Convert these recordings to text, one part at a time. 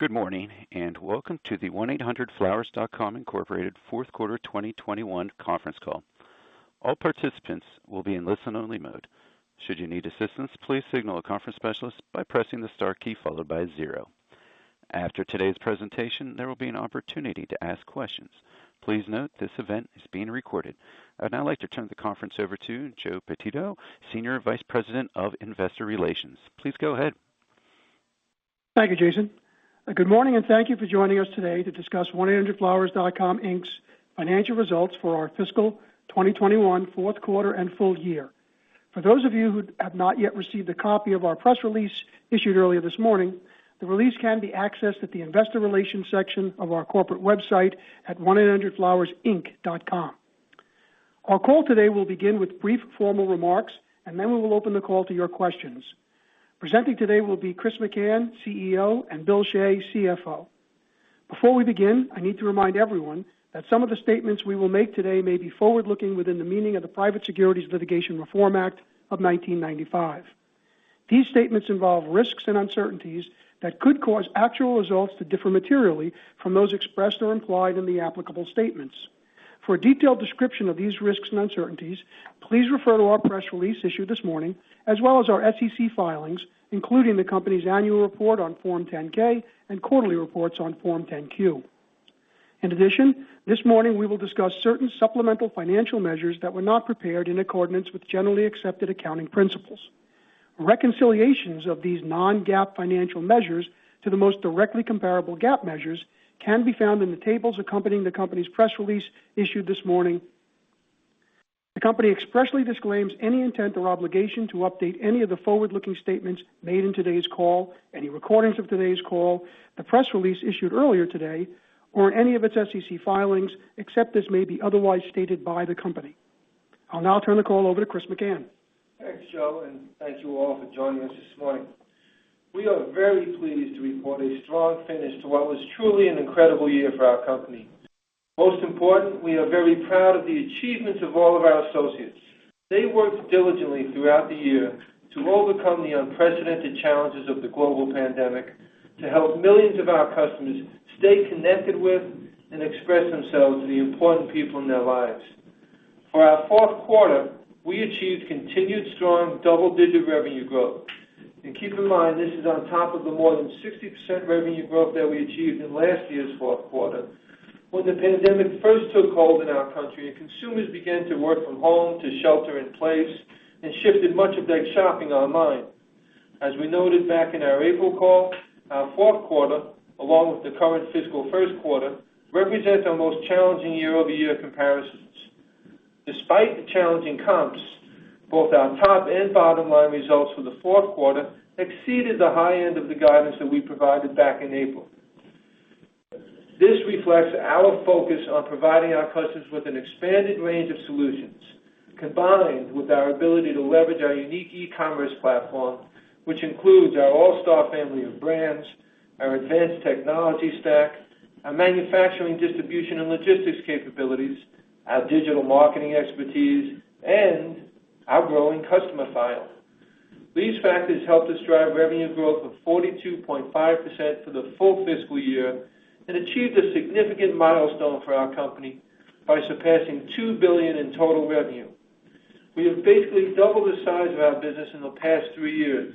Good morning, and welcome to the 1-800-FLOWERS.COM Incorporated fourth quarter 2021 conference call. All participants will be in listen only mode. Should you need assistance please signal our specialist by pressing star key followed by zero. After todays presentation there will be an opportunity to ask questions. Please this event is being recorded. Our I would now like to turn the conference over to Joe Pititto, Senior Vice President of Investor Relations. Please go ahead. Thank you, Jason. Good morning and thank you for joining us today to discuss 1-800-FLOWERS.COM, Inc.'s financial results for our fiscal 2021 fourth quarter and full year. For those of you who have not yet received a copy of our press release issued earlier this morning, the release can be accessed at the investor relations section of our corporate website at 1800flowersinc.com. Our call today will begin with brief formal remarks, and then we will open the call to your questions. Presenting today will be Chris McCann, CEO, and Bill Shea, CFO. Before we begin, I need to remind everyone that some of the statements we will make today may be forward-looking within the meaning of the Private Securities Litigation Reform Act of 1995. These statements involve risks and uncertainties that could cause actual results to differ materially from those expressed or implied in the applicable statements. For a detailed description of these risks and uncertainties, please refer to our press release issued this morning, as well as our SEC filings, including the company's annual report on Form 10-K and quarterly reports on Form 10-Q. In addition, this morning, we will discuss certain supplemental financial measures that were not prepared in accordance with generally accepted accounting principles. Reconciliations of these non-GAAP financial measures to the most directly comparable GAAP measures can be found in the tables accompanying the company's press release issued this morning. The company expressly disclaims any intent or obligation to update any of the forward-looking statements made in today's call, any recordings of today's call, the press release issued earlier today, or any of its SEC filings, except as may be otherwise stated by the company. I'll now turn the call over to Chris McCann. Thanks, Joe. Thank you all for joining us this morning. We are very pleased to report a strong finish to what was truly an incredible year for our company. Most important, we are very proud of the achievements of all of our associates. They worked diligently throughout the year to overcome the unprecedented challenges of the global pandemic to help millions of our customers stay connected with and express themselves to the important people in their lives. For our fourth quarter, we achieved continued strong double-digit revenue growth. Keep in mind, this is on top of the more than 60% revenue growth that we achieved in last year's fourth quarter, when the pandemic first took hold in our country and consumers began to work from home to shelter in place and shifted much of their shopping online. As we noted back in our April call, our fourth quarter, along with the current fiscal first quarter, represents our most challenging year-over-year comparisons. Despite the challenging comps, both our top and bottom-line results for the fourth quarter exceeded the high end of the guidance that we provided back in April. This reflects our focus on providing our customers with an expanded range of solutions, combined with our ability to leverage our unique e-commerce platform, which includes our all-star family of brands, our advanced technology stack, our manufacturing, distribution, and logistics capabilities, our digital marketing expertise, and our growing customer file. These factors helped us drive revenue growth of 42.5% for the full fiscal year and achieved a significant milestone for our company by surpassing $2 billion in total revenue. We have basically doubled the size of our business in the past three years.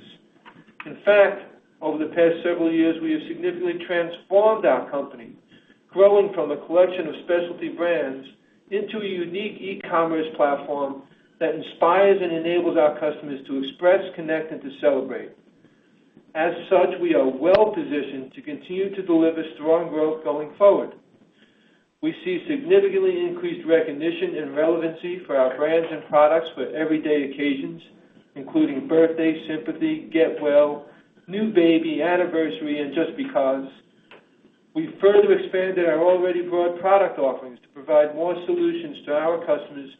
In fact, over the past several years, we have significantly transformed our company, growing from a collection of specialty brands into a unique e-commerce platform that inspires and enables our customers to express, connect, and to celebrate. As such, we are well-positioned to continue to deliver strong growth going forward. We see significantly increased recognition and relevancy for our brands and products for everyday occasions, including birthday, sympathy, get well, new baby, anniversary, and just because. We further expanded our already broad product offerings to provide more solutions to our customers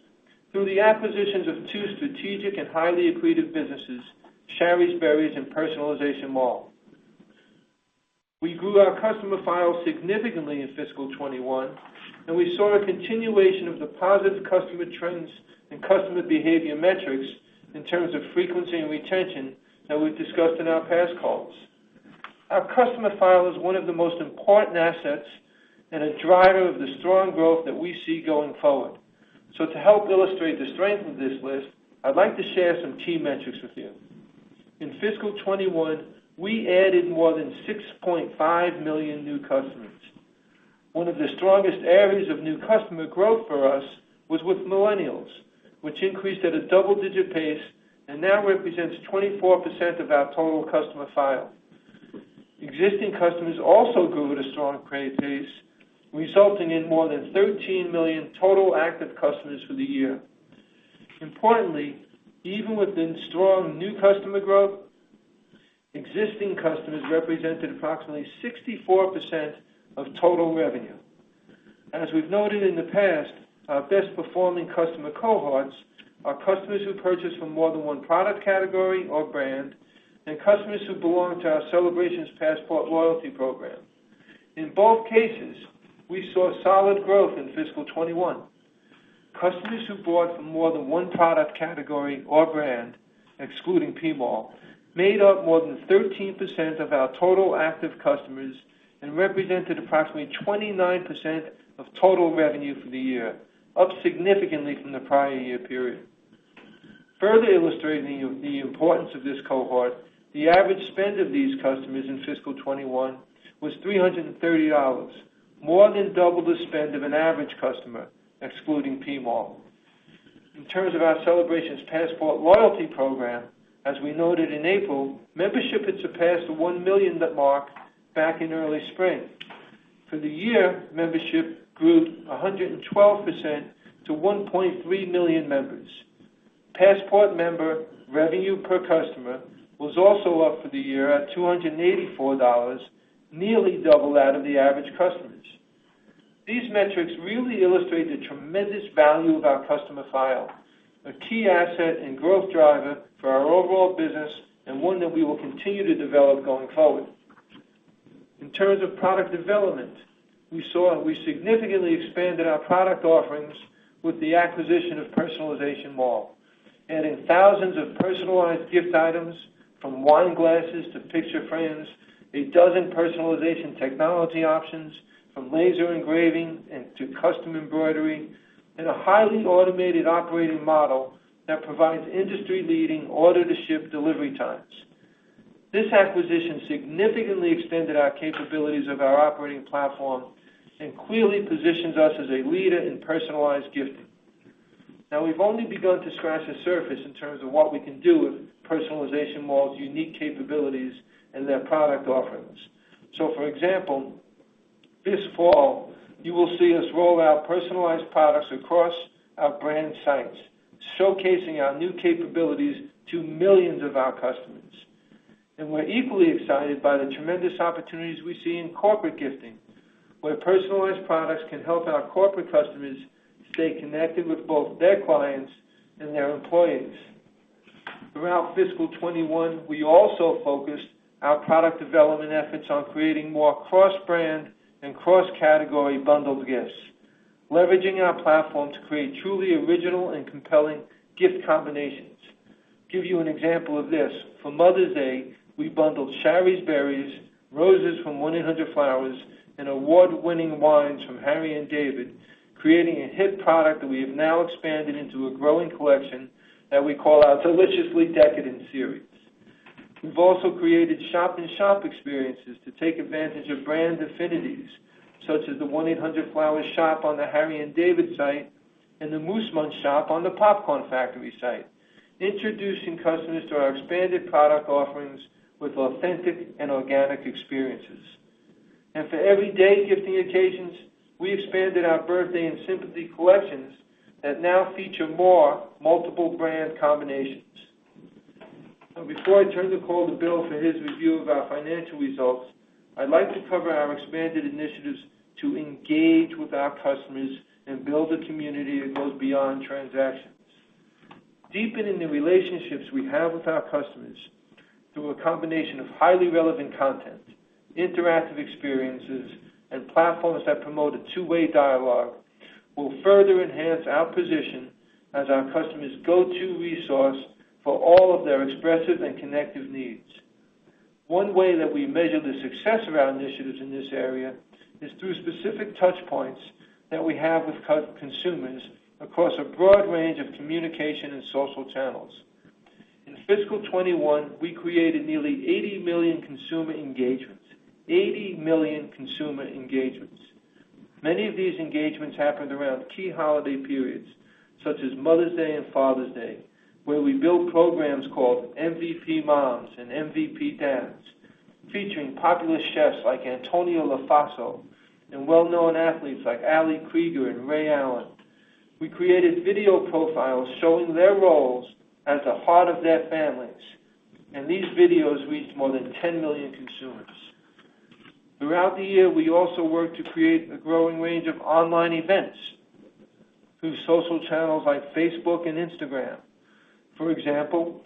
through the acquisitions of two strategic and highly accretive businesses, Shari's Berries and Personalization Mall. We grew our customer file significantly in fiscal 2021, and we saw a continuation of the positive customer trends and customer behavior metrics in terms of frequency and retention that we've discussed in our past calls. Our customer file is one of the most important assets and a driver of the strong growth that we see going forward. To help illustrate the strength of this list, I'd like to share some key metrics with you. In fiscal 2021, we added more than 6.5 million new customers. One of the strongest areas of new customer growth for us was with millennials, which increased at a double-digit pace and now represents 24% of our total customer file. Existing customers also grew at a strong rate pace, resulting in more than 13 million total active customers for the year. Importantly, even within strong new customer growth, existing customers represented approximately 64% of total revenue. As we've noted in the past, our best-performing customer cohorts are customers who purchase from more than one product category or brand and customers who belong to our Celebrations Passport oyalty program. In both cases, we saw solid growth in fiscal 2021. Customers who bought from more than one product category or brand, excluding PMall, made up more than 13% of our total active customers and represented approximately 29% of total revenue for the year, up significantly from the prior year period. Further illustrating the importance of this cohort, the average spend of these customers in fiscal 2021 was $330, more than double the spend of an average customer, excluding PMall. In terms of our Celebrations Passport loyalty program, as we noted in April, membership had surpassed the 1 million mark back in early spring. For the year, membership grew 112% to 1.3 million members. Passport member revenue per customer was also up for the year at $284, nearly double that of the average customers. These metrics really illustrate the tremendous value of our customer file, a key asset and growth driver for our overall business and one that we will continue to develop going forward. In terms of product development, we saw we significantly expanded our product offerings with the acquisition of Personalization Mall, adding thousands of personalized gift items from wine glasses to picture frames, a dozen personalization technology options from laser engraving to custom embroidery, and a highly automated operating model that provides industry-leading order-to-ship delivery times. This acquisition significantly extended our capabilities of our operating platform and clearly positions us as a leader in personalized gifting. Now, we've only begun to scratch the surface in terms of what we can do with Personalization Mall's unique capabilities and their product offerings. For example, this fall, you will see us roll out personalized products across our brand sites, showcasing our new capabilities to millions of our customers. We're equally excited by the tremendous opportunities we see in corporate gifting, where personalized products can help our corporate customers stay connected with both their clients and their employees. Throughout fiscal 2021, we also focused our product development efforts on creating more cross-brand and cross-category bundled gifts, leveraging our platform to create truly original and compelling gift combinations. Give you an example of this. For Mother's Day, we bundled Shari's Berries, roses from 1-800-Flowers.com, and award-winning wines from Harry & David, creating a hit product that we have now expanded into a growing collection that we call our Deliciously Decadent series. We've also created shop-in-shop experiences to take advantage of brand affinities, such as the 1-800-Flowers shop on the Harry & David site and The Popcorn Factory site, introducing customers to our expanded product offerings with authentic and organic experiences. For everyday gifting occasions, we expanded our birthday and sympathy collections that now feature more multiple brand combinations. Before I turn the call to Bill for his review of our financial results, I'd like to cover our expanded initiatives to engage with our customers and build a community that goes beyond transactions. Deepening the relationships we have with our customers through a combination of highly relevant content, interactive experiences, and platforms that promote a two-way dialogue will further enhance our position as our customers' go-to resource for all of their expressive and connective needs. One way that we measure the success of our initiatives in this area is through specific touch points that we have with consumers across a broad range of communication and social channels. In fiscal 2021, we created nearly 80 million consumer engagements. 80 million consumer engagements. Many of these engagements happened around key holiday periods such as Mother's Day and Father's Day, where we built programs called MVP Moms and MVP Dads, featuring popular chefs like Antonia Lofaso and well-known athletes like Ali Krieger and Ray Allen. We created video profiles showing their roles at the heart of their families. These videos reached more than 10 million consumers. Throughout the year, we also worked to create a growing range of online events through social channels like Facebook and Instagram. For example,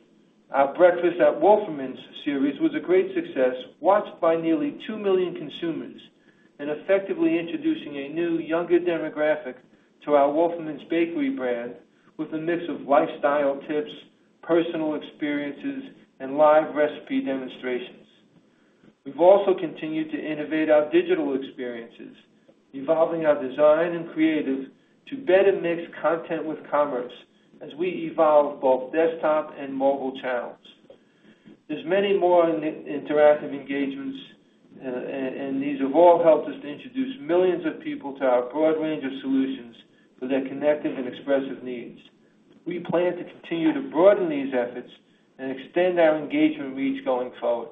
our Breakfast at Wolferman's series was a great success, watched by nearly 2 million consumers and effectively introducing a new, younger demographic to our Wolferman's Bakery brand with a mix of lifestyle tips, personal experiences, and live recipe demonstrations. We've also continued to innovate our digital experiences, evolving our design and creative to better mix content with commerce as we evolve both desktop and mobile channels. There's many more interactive engagements, and these have all helped us to introduce millions of people to our broad range of solutions for their connective and expressive needs. We plan to continue to broaden these efforts and extend our engagement reach going forward.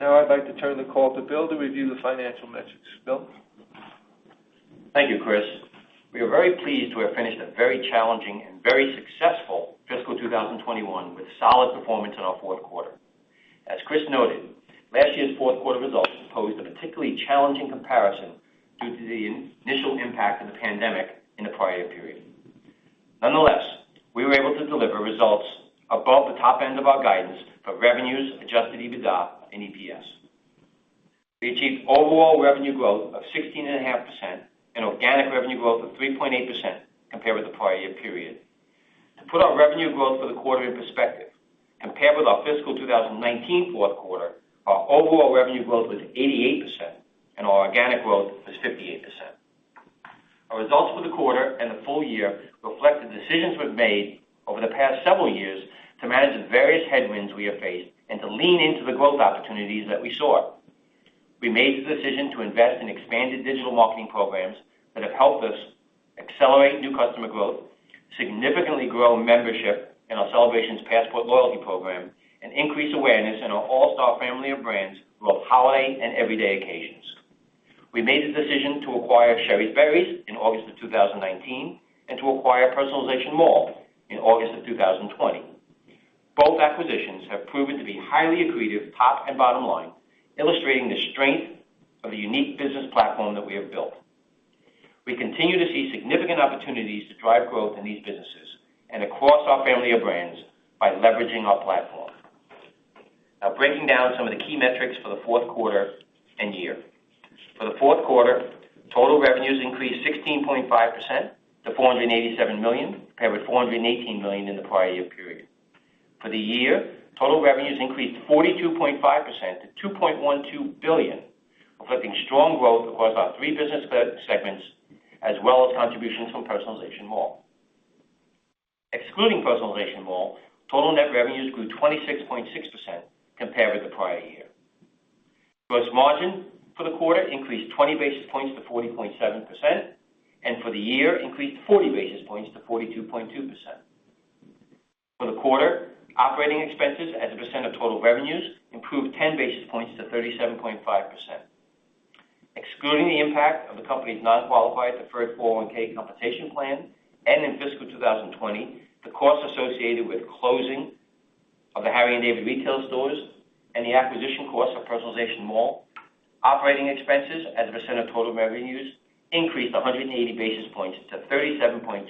Now I'd like to turn the call to Bill to review the financial metrics. Bill? Thank you, Chris. We are very pleased to have finished a very challenging and very successful fiscal 2021 with solid performance in our fourth quarter. As Chris noted, last year's fourth quarter results posed a particularly challenging comparison due to the initial impact of the pandemic in the prior period. Nonetheless, we were able to deliver results above the top end of our guidance for revenues, adjusted EBITDA, and EPS. We achieved overall revenue growth of 16.5% and organic revenue growth of 3.8% compared with the prior year period. To put our revenue growth for the quarter in perspective, compared with our fiscal 2019 fourth quarter, our overall revenue growth was 88%, and our organic growth was 58%. Our results for the quarter and the full year reflect the decisions we've made over the past several years to manage the various headwinds we have faced and to lean into the growth opportunities that we saw. We made the decision to invest in expanded digital marketing programs that have helped us accelerate new customer growth, significantly grow membership in our Celebrations Passport Loyalty Program, and increase awareness in our all-star family of brands for both holiday and everyday occasions. We made the decision to acquire Shari's Berries in August of 2019 and to acquire Personalization Mall in August of 2020. Both acquisitions have proven to be highly accretive, top and bottom line, illustrating the strength of the unique business platform that we have built. We continue to see significant opportunities to drive growth in these businesses and across our family of brands by leveraging our platform. Breaking down some of the key metrics for the fourth quarter and year. For the fourth quarter, total revenues increased 16.5% to $487 million, compared with $418 million in the prior year period. For the year, total revenues increased 42.5% to $2.12 billion, reflecting strong growth across our three business segments, as well as contributions from Personalization Mall. Excluding Personalization Mall, total net revenues grew 26.6% compared with the prior year. Gross margin for the quarter increased 20 basis points to 40.7%, and for the year increased 40 basis points to 42.2%. For the quarter, operating expenses as a percent of total revenues improved 10 basis points to 37.5%. Excluding the impact of the company's non-qualified deferred 401 compensation plan and in fiscal 2020, the costs associated with closing of the Harry & David retail stores and the acquisition cost of PersonalizationMall.com, operating expenses as a percent of total revenues increased 180 basis points to 37.2%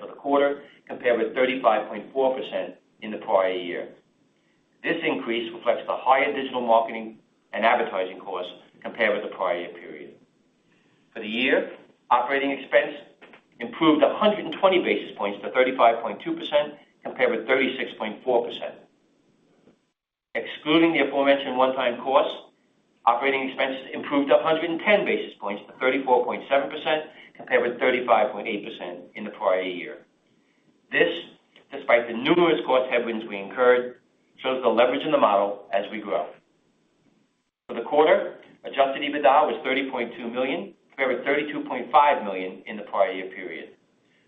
for the quarter, compared with 35.4% in the prior year. This increase reflects the higher digital marketing and advertising costs compared with the prior year period. For the year, operating expense improved 120 basis points to 35.2%, compared with 36.4%. Excluding the aforementioned one-time costs, operating expenses improved 110 basis points to 34.7%, compared with 35.8% in the prior year. This, despite the numerous cost headwinds we incurred, shows the leverage in the model as we grow. For the quarter, adjusted EBITDA was $30.2 million, compared with $32.5 million in the prior year period.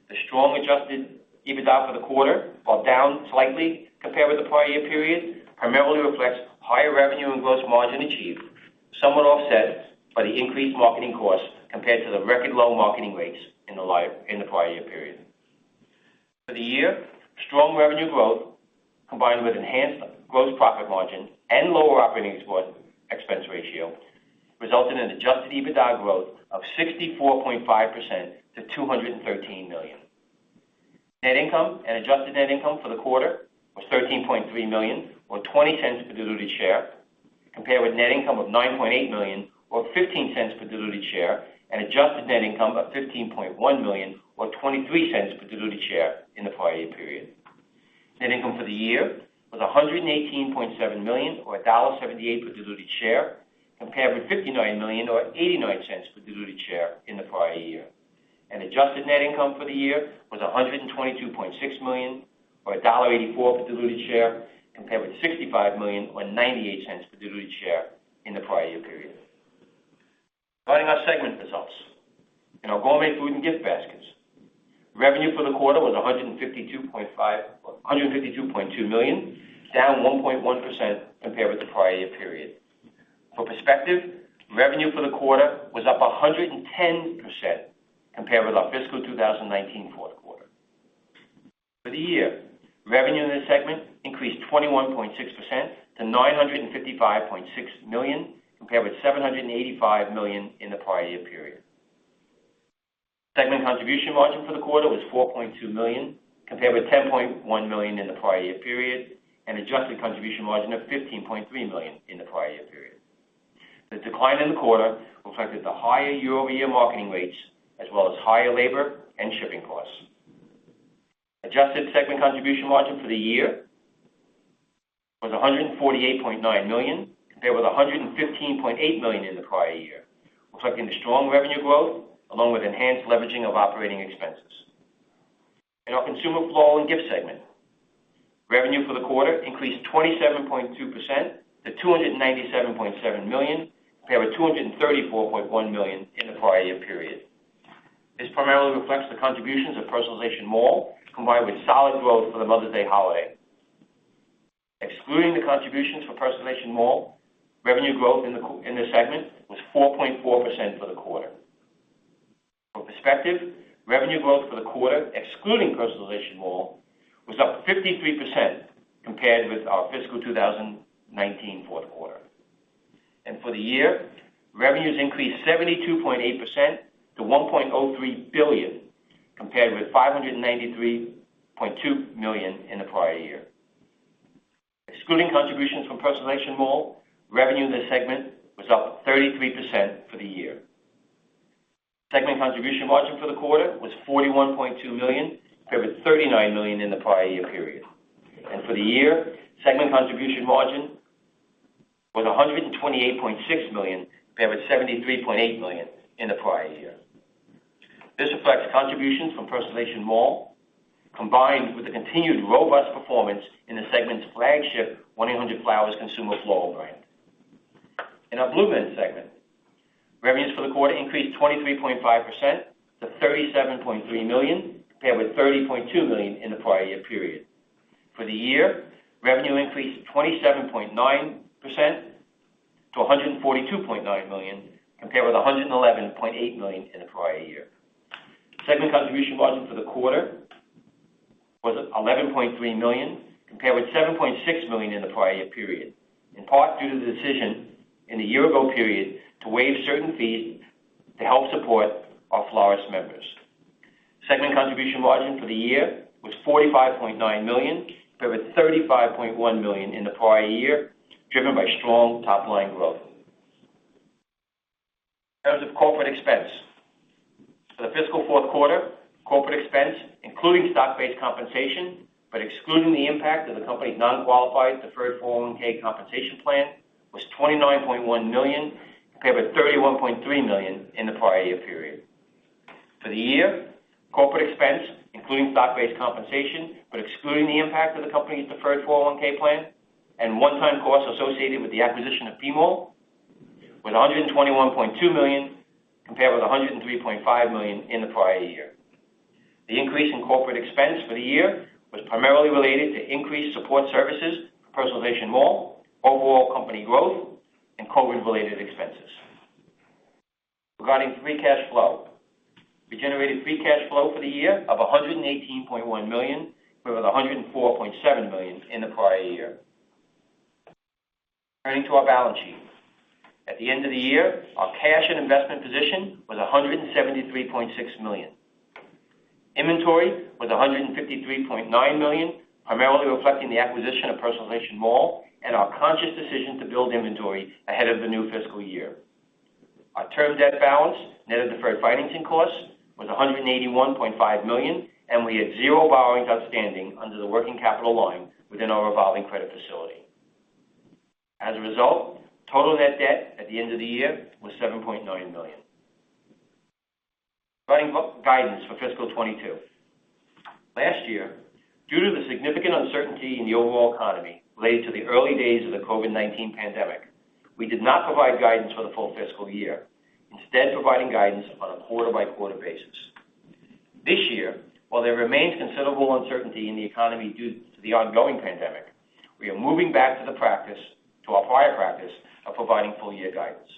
The strong adjusted EBITDA for the quarter, while down slightly compared with the prior year period, primarily reflects higher revenue and gross margin achieved, somewhat offset by the increased marketing costs compared to the record low marketing rates in the prior year period. For the year, strong revenue growth, combined with enhanced gross profit margin and lower operating expense ratio, resulted in an adjusted EBITDA growth of 64.5% to $213 million. Net income and adjusted net income for the quarter was $13.3 million, or $0.20 per diluted share, compared with net income of $9.8 million or $0.15 per diluted share, and adjusted net income of $15.1 million or $0.23 per diluted share in the prior year period. Net income for the year was $118.7 million or $1.78 per diluted share, compared with $59 million or $0.89 per diluted share in the prior year. Adjusted net income for the year was $122.6 million or $1.84 per diluted share, compared with $65 million or $0.98 per diluted share in the prior year period. Providing our segment results. In our Gourmet Foods & Gift Baskets, revenue for the quarter was $152.2 million, down 1.1% compared with the prior year period. For perspective, revenue for the quarter was up 110% compared with our fiscal 2019 fourth quarter. For the year, revenue in this segment increased 21.6% to $955.6 million, compared with $785 million in the prior year period. Segment contribution margin for the quarter was $4.2 million, compared with $10.1 million in the prior year period, and adjusted contribution margin of $15.3 million in the prior year period. The decline in the quarter reflected the higher year-over-year marketing rates as well as higher labor and shipping costs. Adjusted segment contribution margin for the year was $148.9 million, compared with $115.8 million in the prior year, reflecting the strong revenue growth along with enhanced leveraging of operating expenses. In our Consumer Floral & Gifts segment, revenue for the quarter increased 27.2% to $297.7 million, compared with $234.1 million in the prior year period. This primarily reflects the contributions of PersonalizationMall.com, combined with solid growth for the Mother's Day holiday. Excluding the contributions for Personalization Mall, revenue growth in this segment was 4.4% for the quarter. For perspective, revenue growth for the quarter, excluding Personalization Mall, was up 53% compared with our fiscal 2019 fourth quarter. For the year, revenues increased 72.8% to $1.03 billion, compared with $593.2 million in the prior year. Excluding contributions from Personalization Mall, revenue in this segment was up 33% for the year. Segment contribution margin for the quarter was $41.2 million, compared with $39 million in the prior year period. For the year, segment contribution margin was $128.6 million, compared with $73.8 million in the prior year. This reflects contributions from Personalization Mall, combined with the continued robust performance in the segment's flagship 1-800-Flowers.com consumer floral brand. In our BloomNet segment, revenues for the quarter increased 23.5% to $37.3 million, compared with $30.2 million in the prior year period. For the year, revenue increased 27.9% to $142.9 million, compared with $111.8 million in the prior year. Segment contribution margin for the quarter was $11.3 million, compared with $7.6 million in the prior year period, in part due to the decision in the year-ago period to waive certain fees to help support our florist members. Segment contribution margin for the year was $45.9 million, compared with $35.1 million in the prior year, driven by strong top-line growth. In terms of corporate expense. For the fiscal fourth quarter, corporate expense, including stock-based compensation, but excluding the impact of the company's non-qualified deferred 401 compensation plan, was $29.1 million, compared with $31.3 million in the prior year period. For the year, corporate expense, including stock-based compensation, but excluding the impact of the company's deferred 401 plan and one-time costs associated with the acquisition of PMall, was $121.2 million, compared with $103.5 million in the prior year. The increase in corporate expense for the year was primarily related to increased support services for Personalization Mall, overall company growth, and COVID-related expenses. Regarding free cash flow, we generated free cash flow for the year of $118.1 million, compared with $104.7 million in the prior year. Turning to our balance sheet. At the end of the year, our cash and investment position was $173.6 million. Inventory was $153.9 million, primarily reflecting the acquisition of Personalization Mall and our conscious decision to build inventory ahead of the new fiscal year. Our term debt balance, net of deferred financing costs, was $181.5 million, and we had 0 borrowings outstanding under the working capital loan within our revolving credit facility. As a result, total net debt at the end of the year was $7.9 million. Providing guidance for fiscal 2022. Last year, due to the significant uncertainty in the overall economy related to the early days of the COVID-19 pandemic, we did not provide guidance for the full fiscal year, instead providing guidance on a quarter-by-quarter basis. This year, while there remains considerable uncertainty in the economy due to the ongoing pandemic, we are moving back to our prior practice of providing full-year guidance.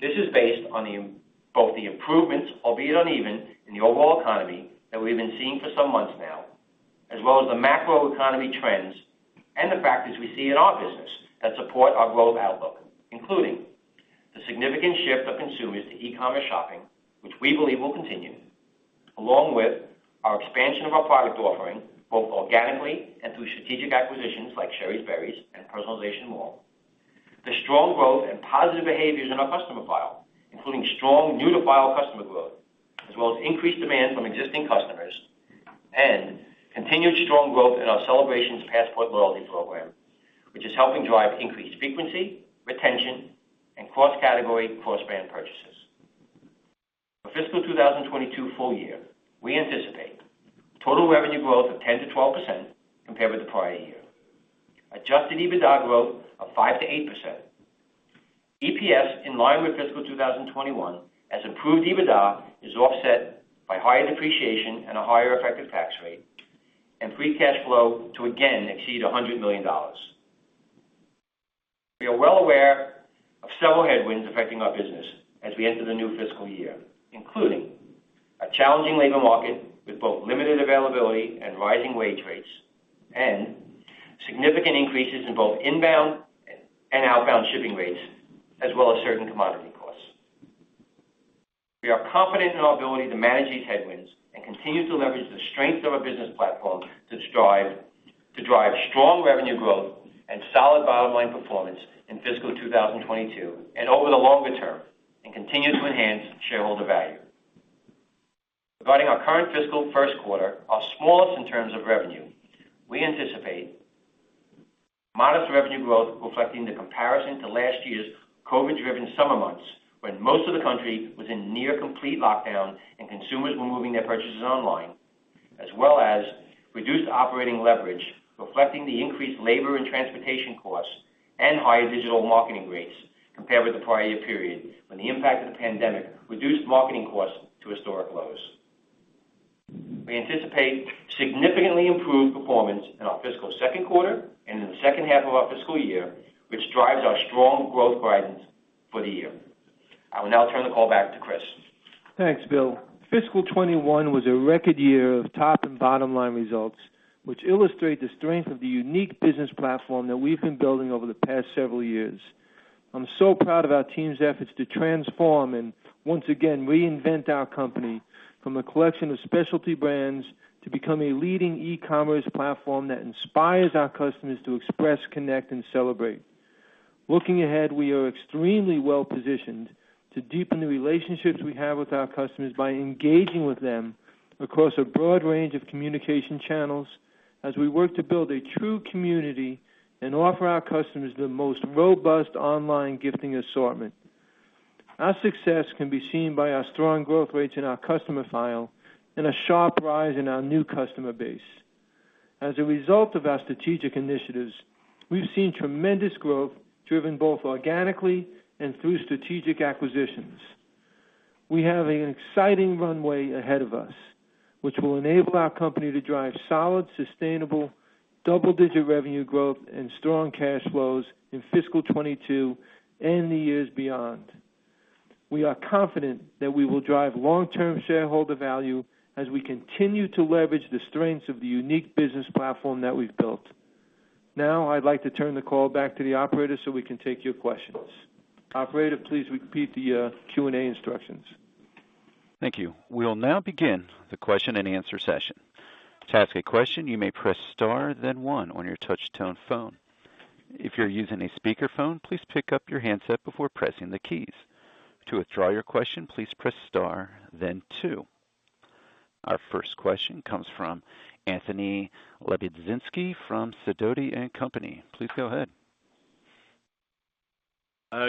This is based on both the improvements, albeit uneven, in the overall economy that we've been seeing for some months now, as well as the macroeconomy trends and the factors we see in our business that support our growth outlook, including the significant shift of consumers to e-commerce shopping, which we believe will continue, along with our expansion of our product offering, both organically and through strategic acquisitions like Shari's Berries and Personalization Mall. The strong growth and positive behaviors in our customer file, including strong new-to-file customer growth, as well as increased demand from existing customers, and continued strong growth in our Celebrations Passport Loyalty program, which is helping drive increased frequency, retention, and cross-category, cross-brand purchases. For fiscal 2022 full year, we anticipate total revenue growth of 10%-12% compared with the prior year. Adjusted EBITDA growth of 5%-8%. EPS in line with fiscal 2021, as improved EBITDA is offset by higher depreciation and a higher effective tax rate, and free cash flow to again exceed $100 million. We are well aware of several headwinds affecting our business as we enter the new fiscal year, including a challenging labor market with both limited availability and rising wage rates, and significant increases in both inbound and outbound shipping rates, as well as certain commodity costs. We are confident in our ability to manage these headwinds and continue to leverage the strength of our business platform to drive strong revenue growth and solid bottom-line performance in fiscal 2022 and over the longer term, and continue to enhance shareholder value. Regarding our current fiscal first quarter, our smallest in terms of revenue, we anticipate modest revenue growth reflecting the comparison to last year's COVID-driven summer months, when most of the country was in near complete lockdown and consumers were moving their purchases online, as well as reduced operating leverage reflecting the increased labor and transportation costs and higher digital marketing rates compared with the prior year period, when the impact of the pandemic reduced marketing costs to historic lows. We anticipate significantly improved performance in our fiscal second quarter and in the second half of our fiscal year, which drives our strong growth guidance for the year. I will now turn the call back to Chris. Thanks, Bill. Fiscal 2021 was a record year of top and bottom-line results, which illustrate the strength of the unique business platform that we've been building over the past several years. I'm so proud of our team's efforts to transform and once again reinvent our company from a collection of specialty brands to become a leading e-commerce platform that inspires our customers to express, connect, and celebrate. Looking ahead, we are extremely well-positioned to deepen the relationships we have with our customers by engaging with them across a broad range of communication channels as we work to build a true community and offer our customers the most robust online gifting assortment. Our success can be seen by our strong growth rates in our customer file and a sharp rise in our new customer base. As a result of our strategic initiatives, we've seen tremendous growth driven both organically and through strategic acquisitions. We have an exciting runway ahead of us, which will enable our company to drive solid, sustainable, double-digit revenue growth and strong cash flows in fiscal 2022 and the years beyond. We are confident that we will drive long-term shareholder value as we continue to leverage the strengths of the unique business platform that we've built. I'd like to turn the call back to the operator so we can take your questions. Operator, please repeat the Q&A instructions. Thank you. We will now begin the question and answer session. Our first question comes from Anthony Lebiedzinski from Sidoti & Company. Please go ahead.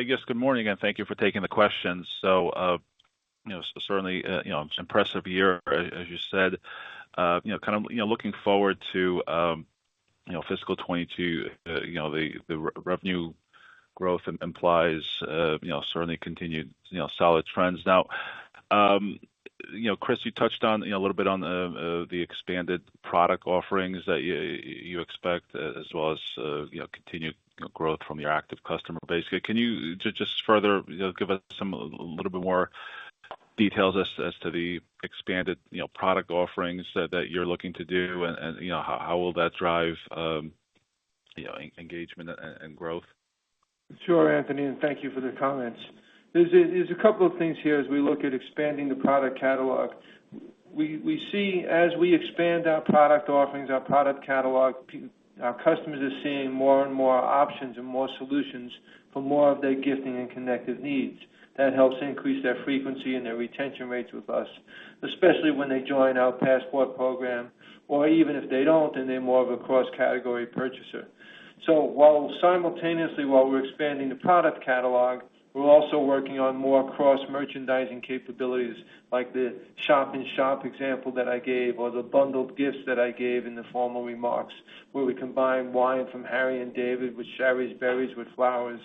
Yes. Good morning, and thank you for taking the questions. Certainly, impressive year, as you said. Kind of looking forward to fiscal 2022, the revenue growth implies certainly continued solid trends. Now, Chris, you touched a little bit on the expanded product offerings that you expect as well as continued growth from your active customer base. Can you just further give us a little more details as to the expanded product offerings that you're looking to do, and how will that drive engagement and growth? Sure, Anthony, and thank you for the comments. There's a couple of things here as we look at expanding the product catalog. We see as we expand our product offerings, our product catalog, our customers are seeing more and more options and more solutions for more of their gifting and connected needs. That helps increase their frequency and their retention rates with us, especially when they join our Passport program, or even if they don't, and they're more of a cross-category purchaser. While simultaneously while we're expanding the product catalog, we're also working on more cross-merchandising capabilities, like the shop-in-shop example that I gave or the bundled gifts that I gave in the formal remarks, where we combine wine from Harry & David with Shari's Berries with flowers.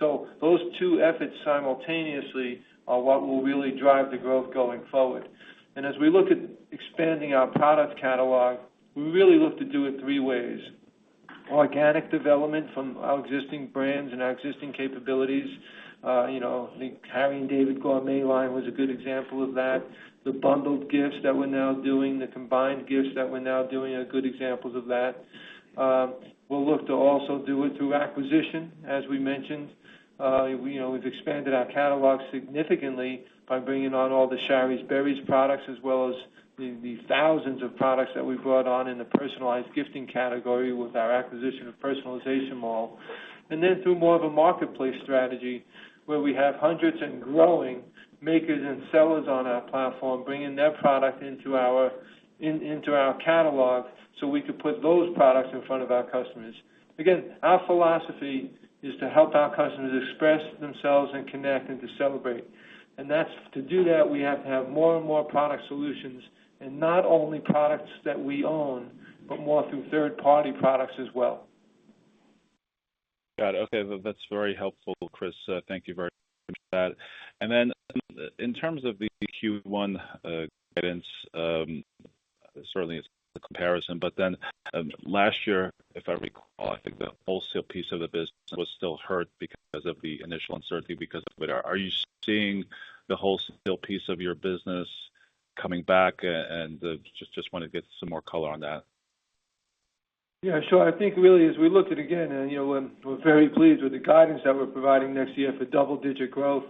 Those two efforts simultaneously are what will really drive the growth going forward. As we look at expanding our product catalog, we really look to do it three ways. Organic development from our existing brands and our existing capabilities. I think Harry & David gourmet line was a good example of that. The bundled gifts that we're now doing, the combined gifts that we're now doing, are good examples of that. We'll look to also do it through acquisition, as we mentioned. We've expanded our catalog significantly by bringing on all the Shari's Berries products as well as the thousands of products that we brought on in the personalized gifting category with our acquisition of Personalization Mall. Then through more of a marketplace strategy, where we have hundreds and growing makers and sellers on our platform bringing their product into our catalog so we could put those products in front of our customers. Our philosophy is to help our customers express themselves and connect and to celebrate. To do that, we have to have more and more product solutions, not only products that we own, but more through third-party products as well. Got it. Okay. That's very helpful, Chris. Thank you very much for that. In terms of the Q1 guidance, certainly it's the comparison, last year, if I recall, I think the wholesale piece of the business was still hurt because of the initial uncertainty because of COVID-19. Are you seeing the wholesale piece of your business coming back? Just want to get some more color on that. Yeah, sure. I think really as we look at, again, and we're very pleased with the guidance that we're providing next year for double-digit growth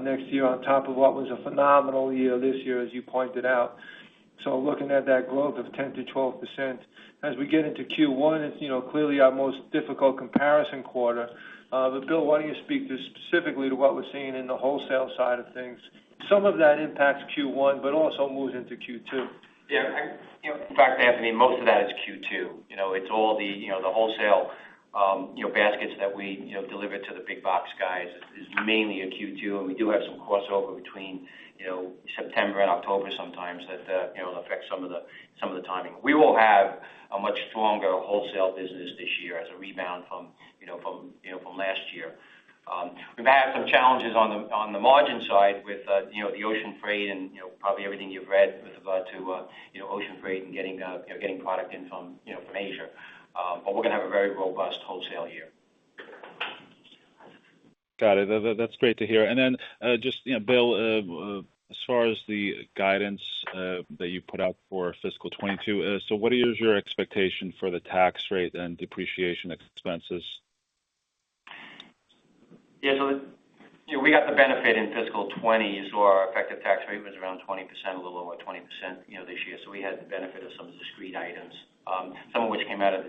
next year on top of what was a phenomenal year this year, as you pointed out. Looking at that growth of 10%-12%, as we get into Q1, it's clearly our most difficult comparison quarter. Bill, why don't you speak to specifically to what we're seeing in the wholesale side of things. Some of that impacts Q1, but also moves into Q2. Yeah. In fact, Anthony, most of that is Q2. It's all the wholesale baskets that we deliver to the big box guys is mainly in Q2. We do have some crossover between September and October sometimes that affects some of the timing. We will have a much stronger wholesale business this year as a rebound from last year. We may have some challenges on the margin side with the ocean freight and probably everything you've read with regard to ocean freight and getting product in from Asia. We're going to have a very robust wholesale year. Got it. That's great to hear. Just, Bill, as far as the guidance that you put out for fiscal 2022, what is your expectation for the tax rate and depreciation expenses? We got the benefit in fiscal 2020, our effective tax rate was around 20%, a little over 20% this year. We had the benefit of some discrete items, some of which came out of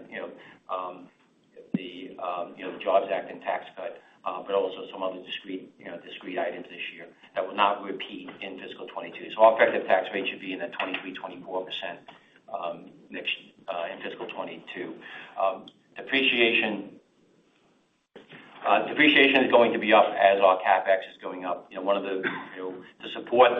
the Jobs Act and tax cut, but also some other discrete items this year that will not repeat in fiscal 2022. Our effective tax rate should be in the 23%-24% mix in fiscal 2022. Depreciation is going to be up as our CapEx is going up. To support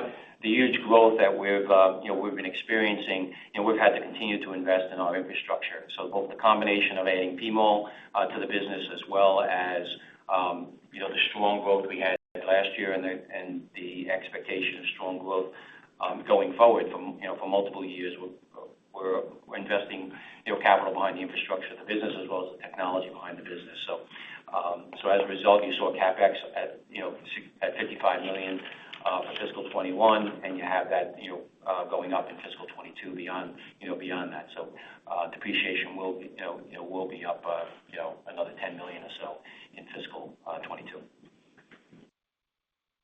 the huge growth that we've been experiencing, and we've had to continue to invest in our infrastructure, both the combination of adding PMall to the business as well as the strong growth we had last year and the expectation of strong growth going forward for multiple years. We're investing capital behind the infrastructure of the business as well as the technology behind the business. As a result, you saw CapEx at $55 million for fiscal 2021, and you have that going up in fiscal 2022 beyond that. Depreciation will be up another $10 million or so in fiscal 2022.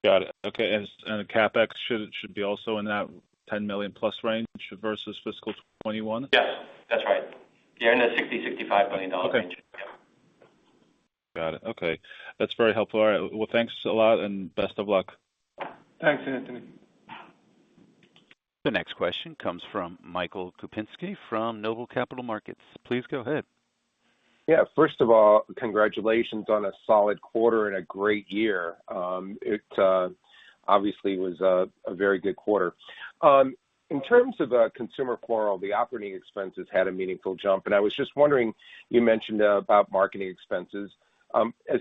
Got it. Okay, the CapEx should be also in that $10 million+ range versus fiscal 2021? Yes, that's right. In the $60 million, $65 million range. Okay. Got it. Okay. That's very helpful. All right. Well, thanks a lot, and best of luck. Thanks, Anthony. The next question comes from Michael Kupinski from Noble Capital Markets. Please go ahead. First of all, congratulations on a solid quarter and a great year. It obviously was a very good quarter. In terms of Consumer Floral, the operating expenses had a meaningful jump. I was just wondering, you mentioned about marketing expenses.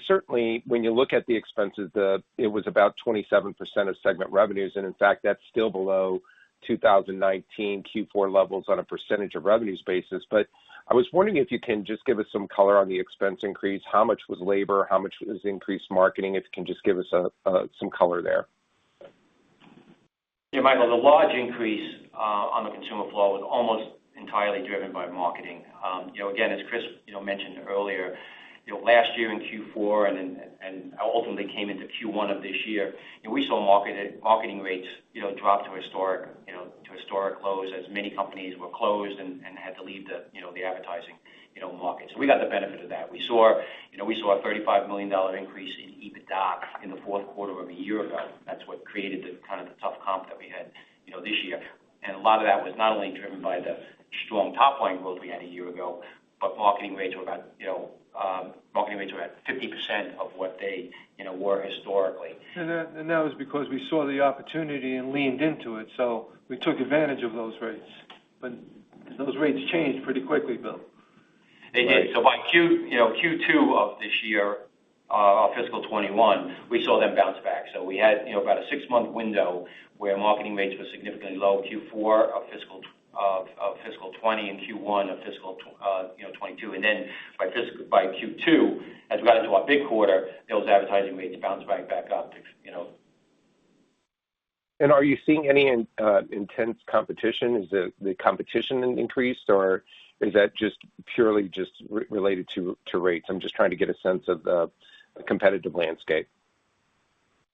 Certainly, when you look at the expenses, it was about 27% of segment revenues. In fact, that's still below 2019 Q4 levels on a percentage of revenues basis. I was wondering if you can just give us some color on the expense increase, how much was labor, how much was increased marketing? If you can just give us some color there. Michael, the large increase on the Consumer Floral was almost entirely driven by marketing. Again, as Chris mentioned earlier, last year in Q4 and ultimately came into Q1 of this year, we saw marketing rates drop to historic lows as many companies were closed and had to leave the advertising market. We got the benefit of that. We saw a $35 million increase in EBITDA in the fourth quarter over a year ago. That's what created the tough comp that we had this year. A lot of that was not only driven by the strong top-line growth we had a year ago, but marketing rates were at 50% of what they were historically. That was because we saw the opportunity and leaned into it. We took advantage of those rates. Those rates changed pretty quickly, Bill. They did. By Q2 of this year, of fiscal 2021, we saw them bounce back. We had about a six-month window where marketing rates were significantly low Q4 of fiscal 2020 and Q1 of fiscal 2022. By Q2, as we got into our big quarter, those advertising rates bounced right back up. Are you seeing any intense competition? Has the competition increased, or is that just purely just related to rates? I'm just trying to get a sense of the competitive landscape.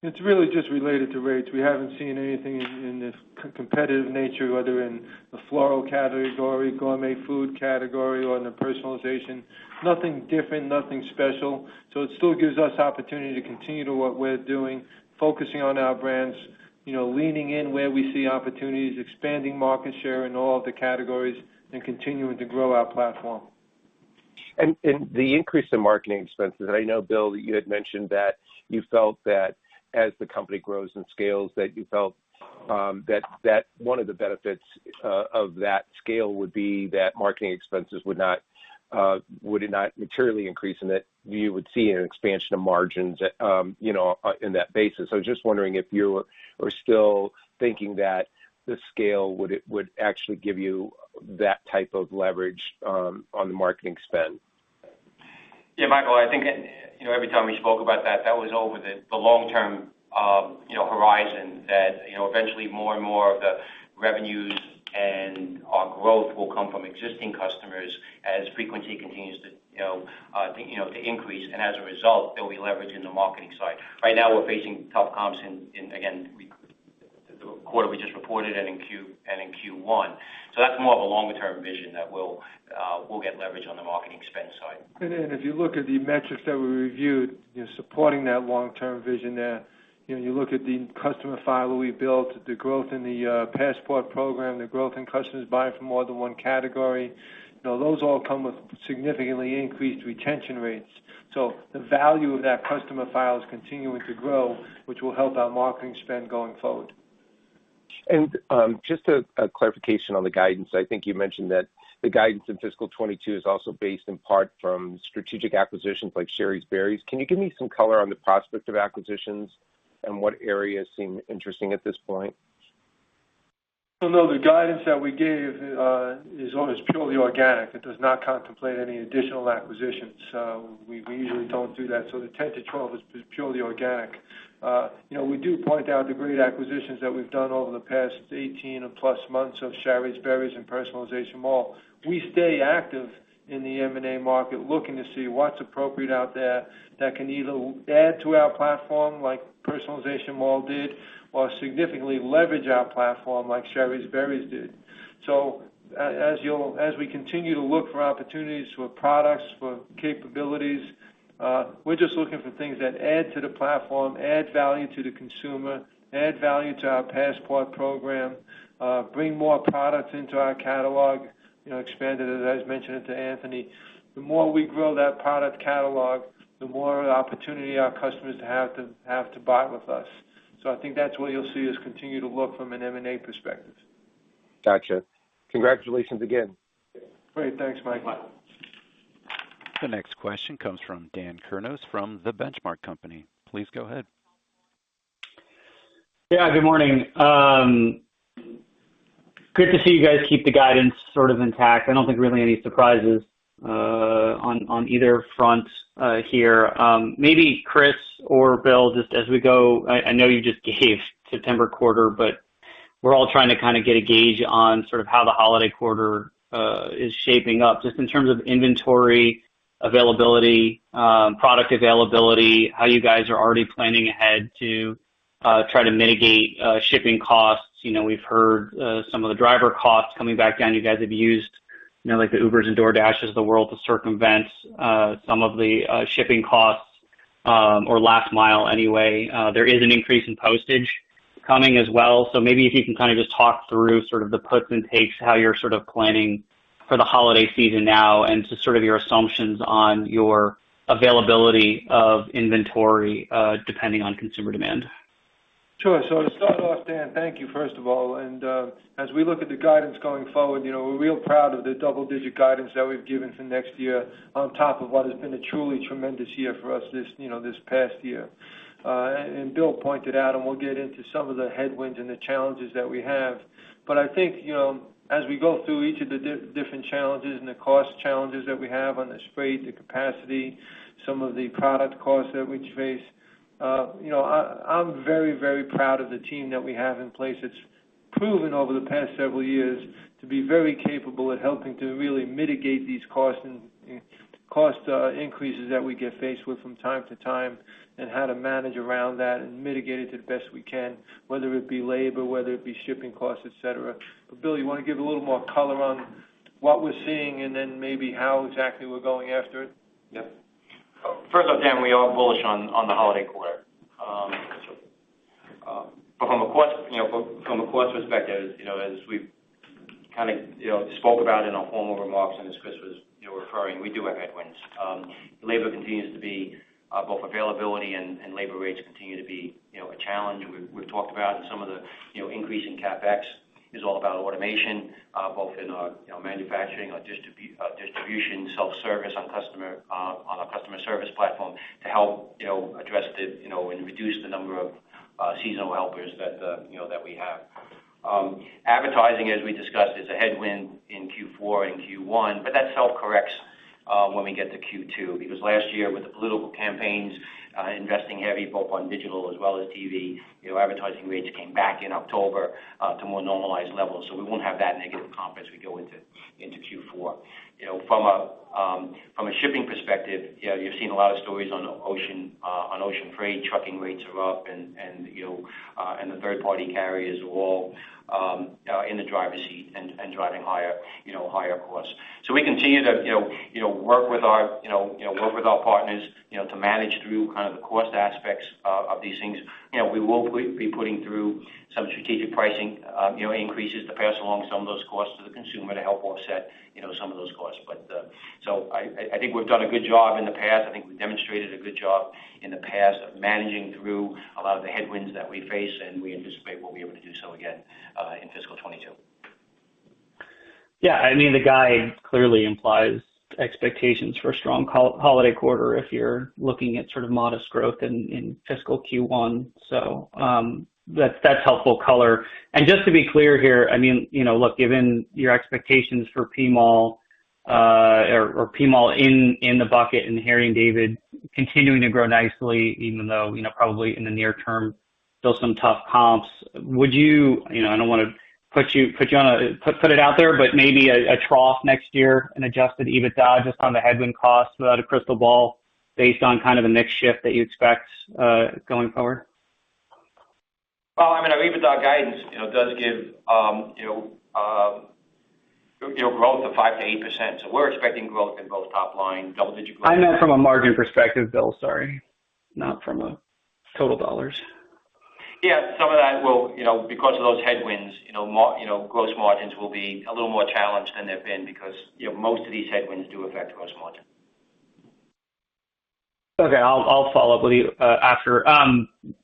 It's really just related to rates. We haven't seen anything in this competitive nature, whether in the floral category, gourmet food category, or in the personalization. Nothing different, nothing special. It still gives us opportunity to continue to do what we're doing, focusing on our brands, leaning in where we see opportunities, expanding market share in all of the categories, and continuing to grow our platform. The increase in marketing expenses, I know, Bill, you had mentioned that you felt that as the company grows and scales, that you felt that one of the benefits of that scale would be that marketing expenses would not materially increase, and that you would see an expansion of margins in that basis. Just wondering if you are still thinking that the scale would actually give you that type of leverage on the marketing spend. Yeah, Michael, I think every time we spoke about that was over the long-term horizon that eventually more and more of the revenues and our growth will come from existing customers as frequency continues to increase. As a result, there'll be leverage in the marketing side. Right now, we're facing tough comps in, again, the quarter we just reported and in Q1. That's more of a longer-term vision that we'll get leverage on the marketing spend side. If you look at the metrics that we reviewed supporting that long-term vision there, you look at the customer file that we built, the growth in the Passport program, the growth in customers buying from more than one category, those all come with significantly increased retention rates. The value of that customer file is continuing to grow, which will help our marketing spend going forward. Just a clarification on the guidance. I think you mentioned that the guidance in fiscal 2022 is also based in part from strategic acquisitions like Shari's Berries. Can you give me some color on the prospect of acquisitions and what areas seem interesting at this point? Well, no, the guidance that we gave is almost purely organic. It does not contemplate any additional acquisitions. We usually don't do that. The 10%-12% is purely organic. We do point out the great acquisitions that we've done over the past 18-plus months of Shari's Berries and PersonalizationMall.com. We stay active in the M&A market, looking to see what's appropriate out there that can either add to our platform, like PersonalizationMall.com did, or significantly leverage our platform like Shari's Berries did. As we continue to look for opportunities for products, for capabilities, we're just looking for things that add to the platform, add value to the consumer, add value to our Passport program, bring more products into our catalog, expand it, as mentioned to Anthony. The more we grow that product catalog, the more opportunity our customers have to buy with us. I think that's what you'll see us continue to look from an M&A perspective. Got you. Congratulations again. Great. Thanks, Michael. Bye. The next question comes from Daniel Kurnos from The Benchmark Company. Please go ahead. Yeah, good morning. Good to see you guys keep the guidance sort of intact. I don't think really any surprises on either front here. Maybe Chris or Bill, just as we go, I know you just gave September quarter, but we're all trying to kind of get a gauge on sort of how the holiday quarter is shaping up, just in terms of inventory availability, product availability, how you guys are already planning ahead to try to mitigate shipping costs. We've heard some of the driver costs coming back down. You guys have used the Ubers and DoorDashes of the world to circumvent some of the shipping costs or last mile anyway. There is an increase in postage coming as well. Maybe if you can kind of just talk through sort of the puts and takes, how you're sort of planning for the holiday season now and just sort of your assumptions on your availability of inventory, depending on consumer demand. Sure. To start off, Dan, thank you, first of all. As we look at the guidance going forward, we're real proud of the double-digit guidance that we've given for next year on top of what has been a truly tremendous year for us this past year. Bill pointed out, and we'll get into some of the headwinds and the challenges that we have. I think, as we go through each of the different challenges and the cost challenges that we have on the freight, the capacity, some of the product costs that we face, I'm very, very proud of the team that we have in place. It's proven over the past several years to be very capable at helping to really mitigate these cost increases that we get faced with from time to time and how to manage around that and mitigate it the best we can, whether it be labor, whether it be shipping costs, et cetera. Bill, you want to give a little more color on what we're seeing and then maybe how exactly we're going after it? First off, Dan, we are bullish on the holiday quarter. From a cost perspective, as we kind of spoke about in our formal remarks and as Chris was referring, we do have headwinds. Both availability and labor rates continue to be a challenge. We've talked about some of the increase in CapEx is all about automation, both in our manufacturing, our distribution, self-service on our customer service platform to help address and reduce the number of seasonal helpers that we have. Advertising, as we discussed, is a headwind in Q4 and Q1, but that self-corrects when we get to Q2, because last year with the political campaigns investing heavy both on digital as well as TV, advertising rates came back in October to more normalized levels. We won't have that negative comp as we go into Q4. From a shipping perspective, you've seen a lot of stories on ocean freight. Trucking rates are up and the third-party carriers are all in the driver's seat and driving higher costs. We continue to work with our partners to manage through kind of the cost aspects of these things. We will be putting through some strategic pricing increases to pass along some of those costs to the consumer to help offset some of those costs. I think we've done a good job in the past. I think we've demonstrated a good job in the past of managing through a lot of the headwinds that we face, and we anticipate we'll be able to do so again in fiscal 2022. Yeah, I mean, the guide clearly implies expectations for a strong holiday quarter if you're looking at sort of modest growth in fiscal Q1. That's helpful color. Just to be clear here, I mean, look, given your expectations for PMall or PMall in the bucket and Harry & David continuing to grow nicely, even though probably in the near term, still some tough comps. I don't want to put it out there, but maybe a trough next year in adjusted EBITDA, just on the headwind costs without a crystal ball, based on kind of a mix shift that you expect going forward? Well, I mean, our EBITDA guidance does give growth of 5%-8%, we're expecting growth in both top line, double-digit growth. I know from a margin perspective, Bill, sorry, not from a total dollars. Some of that will, because of those headwinds, gross margins will be a little more challenged than they've been because most of these headwinds do affect gross margin. Okay. I'll follow up with you after.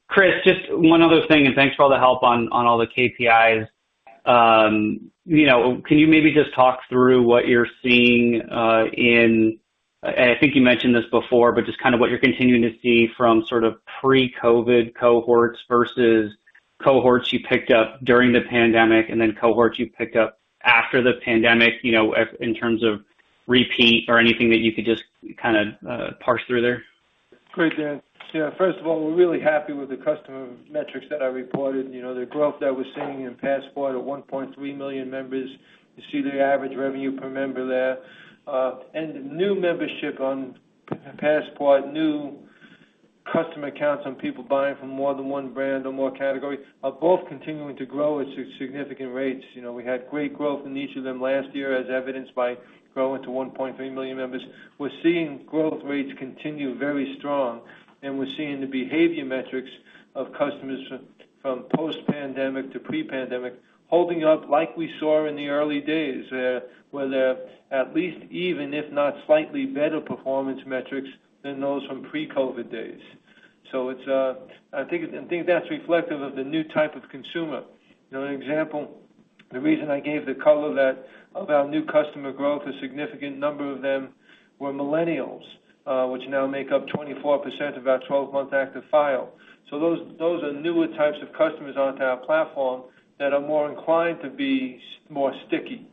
Chris, just one other thing, thanks for all the help on all the KPIs. Can you maybe just talk through what you're seeing. I think you mentioned this before, but just what you're continuing to see from sort of pre-COVID cohorts versus cohorts you picked up during the pandemic, then cohorts you picked up after the pandemic, in terms of repeat or anything that you could just kind of parse through there? Great, Daniel. Yeah, first of all, we're really happy with the customer metrics that I reported. The growth that we're seeing in Passport at 1.3 million members. You see the average revenue per member there. New membership on Passport, new customer accounts on people buying from more than one brand or more category, are both continuing to grow at significant rates. We had great growth in each of them last year, as evidenced by growing to 1.3 million members. We're seeing growth rates continue very strong, and we're seeing the behavior metrics of customers from post-pandemic to pre-pandemic, holding up like we saw in the early days, where they're at least even, if not slightly better performance metrics than those from pre-COVID days. I think that's reflective of the new type of consumer. An example, the reason I gave the color of our new customer growth, a significant number of them were millennials, which now make up 24% of our 12-month active file. Those are newer types of customers onto our platform that are more inclined to be more sticky,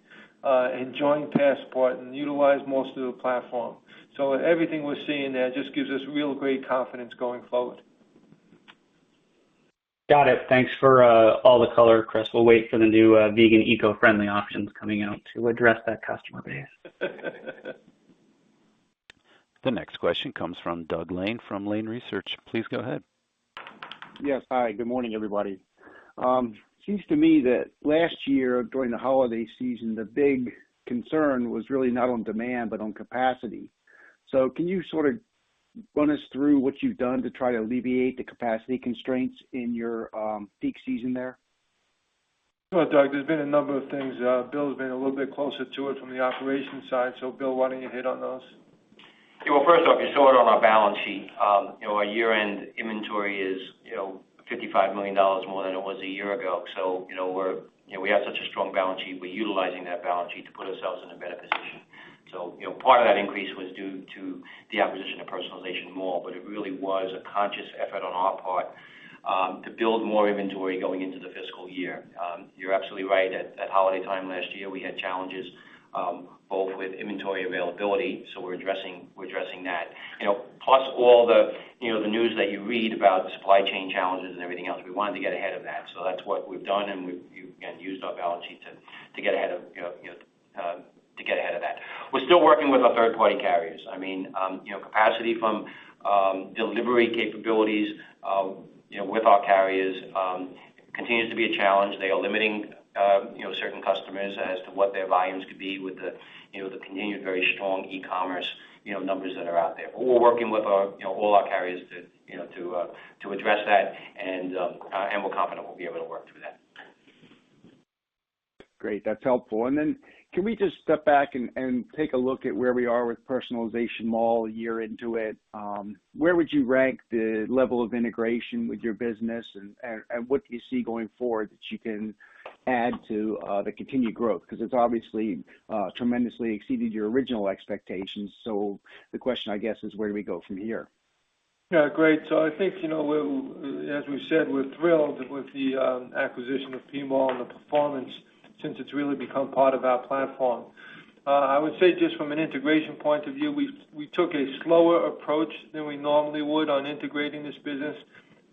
and join Passport, and utilize most of the platform. Everything we're seeing there just gives us real great confidence going forward. Got it. Thanks for all the color, Chris. We'll wait for the new vegan, eco-friendly options coming out to address that customer base. The next question comes from Douglas Lane, from Lane Research. Please go ahead. Yes. Hi, good morning, everybody. Seems to me that last year during the holiday season, the big concern was really not on demand, but on capacity. Can you sort of run us through what you've done to try to alleviate the capacity constraints in your peak season there? Well, Doug, there's been a number of things. Bill's been a little bit closer to it from the operations side. Bill, why don't you hit on those? Well, first off, you saw it on our balance sheet. Our year-end inventory is $55 million more than it was a year ago. We have such a strong balance sheet. We're utilizing that balance sheet to put ourselves in a better position. Part of that increase was due to the acquisition of PersonalizationMall.com, it really was a conscious effort on our part, to build more inventory going into the fiscal year. You're absolutely right. At holiday time last year, we had challenges, both with inventory availability, we're addressing that. All the news that you read about supply chain challenges and everything else, we wanted to get ahead of that. That's what we've done, we've again, used our balance sheet to get ahead of that. We're still working with our third-party carriers. Capacity from delivery capabilities with our carriers continues to be a challenge. They are limiting certain customers as to what their volumes could be with the continued very strong e-commerce numbers that are out there. We're working with all our carriers to address that, and we're confident we'll be able to work through that. Great. That's helpful. Can we just step back and take a look at where we are with Personalization Mall a year into it? Where would you rank the level of integration with your business and what do you see going forward that you can add to the continued growth? It's obviously tremendously exceeded your original expectations. The question, I guess is, where do we go from here? Yeah. Great. I think, as we said, we're thrilled with the acquisition of PMall and the performance since it's really become part of our platform. I would say just from an integration point of view, we took a slower approach than we normally would on integrating this business,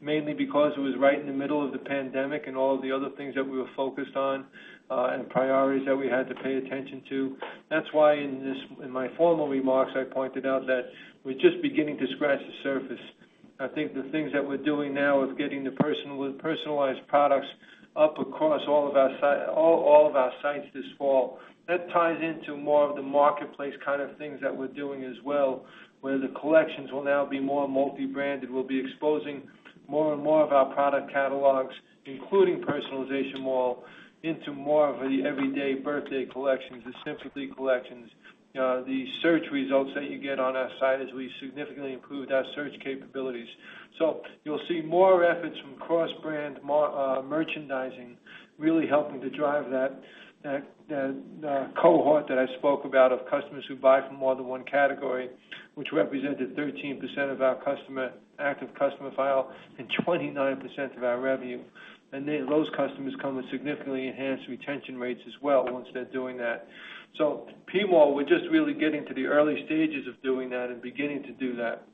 mainly because it was right in the middle of the pandemic and all of the other things that we were focused on, and priorities that we had to pay attention to. That's why in my formal remarks, I pointed out that we're just beginning to scratch the surface. I think the things that we're doing now with getting the personalized products up across all of our sites this fall, that ties into more of the marketplace kind of things that we're doing as well, where the collections will now be more multi-branded. We'll be exposing more and more of our product catalogs, including Personalization Mall, into more of the everyday birthday collections, the simply collections, the search results that you get on our site as we significantly improved our search capabilities. You'll see more efforts from cross-brand merchandising really helping to drive that cohort that I spoke about of customers who buy from more than one category, which represented 13% of our active customer file and 29% of our revenue. Those customers come with significantly enhanced retention rates as well once they're doing that. PMall, we're just really getting to the early stages of doing that and beginning to do that.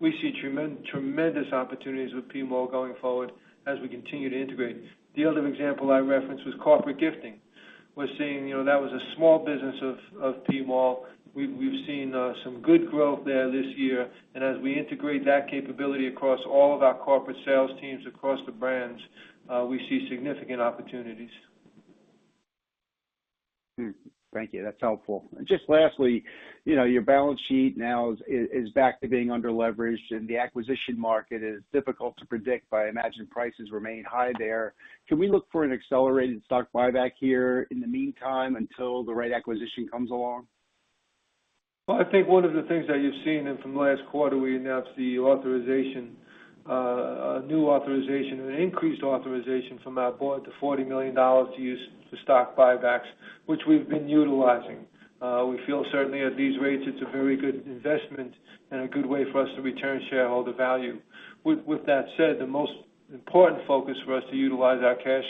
We see tremendous opportunities with PMall going forward as we continue to integrate. The other example I referenced was corporate gifting. We're seeing that was a small business of PMall. As we integrate that capability across all of our corporate sales teams across the brands, we see significant opportunities. Thank you. That's helpful. Just lastly, your balance sheet now is back to being under leveraged, and the acquisition market is difficult to predict, but I imagine prices remain high there. Can we look for an accelerated stock buyback here in the meantime until the right acquisition comes along? Well, I think one of the things that you've seen, from last quarter, we announced a new authorization, an increased authorization from our board to $40 million to use for stock buybacks, which we've been utilizing. We feel certainly at these rates, it's a very good investment and a good way for us to return shareholder value. With that said, the most important focus for us to utilize our cash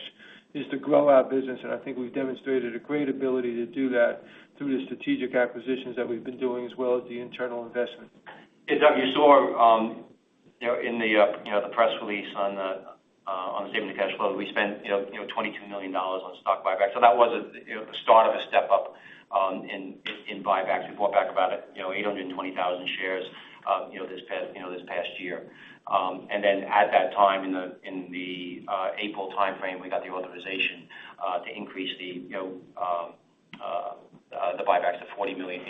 is to grow our business. I think we've demonstrated a great ability to do that through the strategic acquisitions that we've been doing as well as the internal investment. Doug, you saw in the press release on the statement of cash flow that we spent $22 million on stock buyback. That was the start of a step-up in buybacks. We bought back about 820,000 shares this past year. At that time in the April timeframe, we got the authorization to increase the buybacks to a $40 million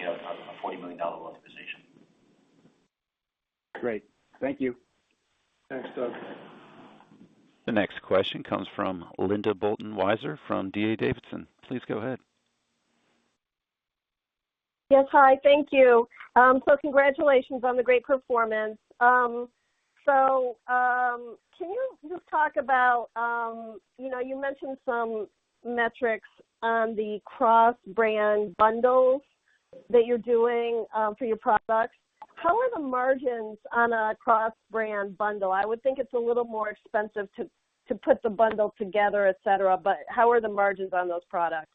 authorization. Great. Thank you. Thanks, Doug. The next question comes from Linda Bolton Weiser from D.A. Davidson. Please go ahead. Yes. Hi, thank you. Congratulations on the great performance. Can you just talk about, you mentioned some metrics on the cross-brand bundles that you're doing, for your products. How are the margins on a cross-brand bundle? I would think it's a little more expensive to put the bundle together, et cetera, but how are the margins on those products?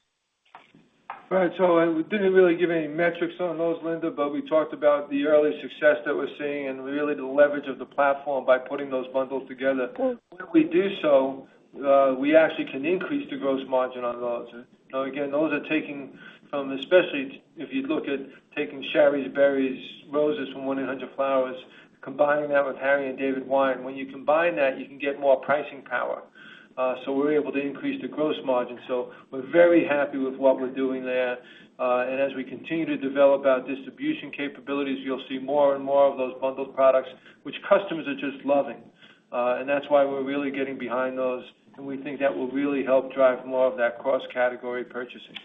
Right. We didn't really give any metrics on those, Linda. We talked about the early success that we're seeing and really the leverage of the platform by putting those bundles together. Good. When we do so, we actually can increase the gross margin on those. Again, those are taking from, especially if you look at taking Shari's Berries, roses from 1-800-Flowers.com, combining that with Harry & David wine. When you combine that, you can get more pricing power. We're able to increase the gross margin. We're very happy with what we're doing there. As we continue to develop our distribution capabilities, you'll see more and more of those bundled products, which customers are just loving. That's why we're really getting behind those, and we think that will really help drive more of that cross-category purchasing.